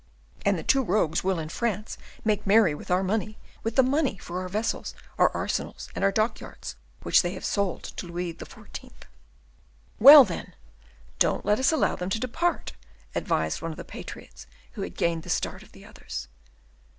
"And the two rogues will in France make merry with our money, with the money for our vessels, our arsenals, and our dockyards, which they have sold to Louis XIV." "Well, then, don't let us allow them to depart!" advised one of the patriots who had gained the start of the others.